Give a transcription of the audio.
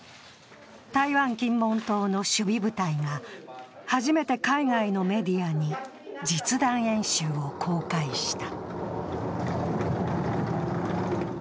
台湾・金門島の守備部隊が初めて海外のメディアに実弾演習を公開した。